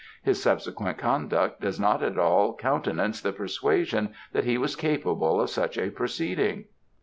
His subsequent conduct does not at all countenance the persuasion that he was capable of such a proceeding.'